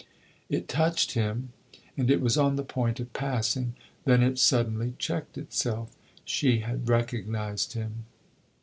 It touched him, and it was on the point of passing; then it suddenly checked itself; she had recognized him.